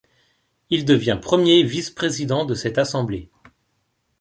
Il devient premier vice-président de cette Assemblée.